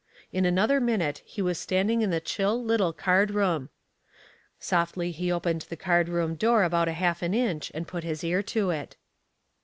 In another minute he was standing in the chill little card room. Softly he opened the card room door about half an inch, and put his ear to it.